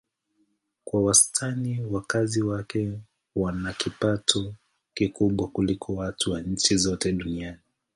Kwa wastani wakazi wake wana kipato kikubwa kuliko watu wa nchi zote duniani.